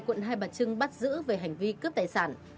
quận hai bà trưng bắt giữ về hành vi cướp tài sản